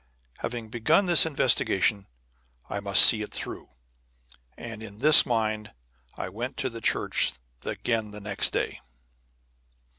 Having begun this investigation, I must see it through; and in this mind I went to the church again the next day.